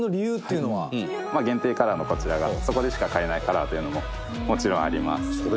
「限定カラーのこちらがそこでしか買えないカラーというのももちろんあります」